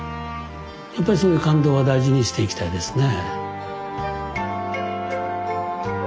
やっぱりそういう感動は大事にしていきたいですね。